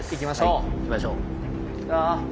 はい行きましょう。